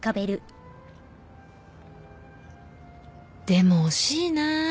でも惜しいな。